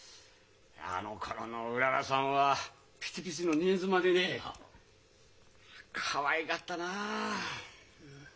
あのころのうららさんはピチピチの新妻でねかわいかったな！